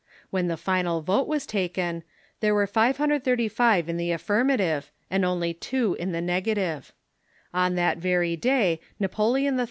When the final vote was taken, there were 535 in the affirmative and only two in the negative. On that very day Napoleon III.